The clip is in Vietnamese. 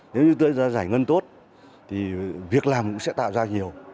nếu như chúng ta giải ngân tốt thì việc làm cũng sẽ tạo ra nhiều